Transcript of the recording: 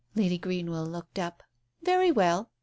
Lady Greenwell looked up. "Very well."